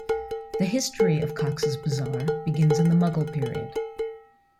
The history of Cox's Bazar begins in the Mughal period.